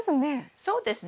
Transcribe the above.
そうですね。